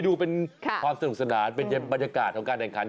ดูอีกทีเอาแห่เจ็บไหมเจ็บ